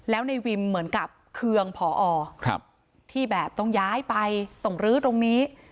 แล้วในวิมเหมือนกับเคืองพอที่แบบต้องย้ายไปต้องลื้อตรงนี้